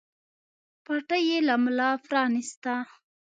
پټۍ يې له ملا پرانېسته.